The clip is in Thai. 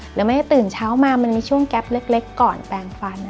แม้จะตื่นเช้ามามันมีช่วงแก๊ปเล็กก่อนแปลงฟัน